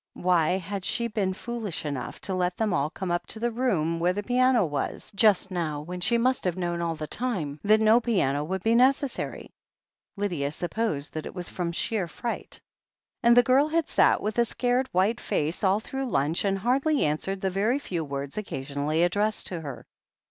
Why had she been foolish enough to let them all come up to the room where the piano was, just now, when she must have known all the time that no piano would be necessary ? Lydia supposed that it was from sheer fright. And the girl had sat with a scared, white face all through lunch, and had hardly answered the very few words occasionally addressed to her.